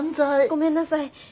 ごめんなさい。